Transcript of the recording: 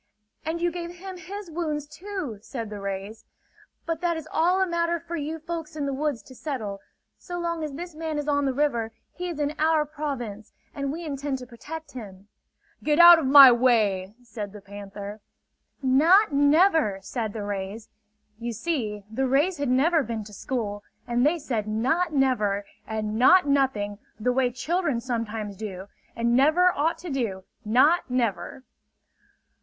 "And you gave him his wounds, too," said the rays. "But that is all a matter for you folks in the woods to settle. So long as this man is on the river, he is in our province and we intend to protect him!" "Get out of my way!" said the panther. "Not never!" said the rays. You see, the rays had never been to school; and they said "not never" and "not nothing" the way children sometimes do and never ought to do, not never!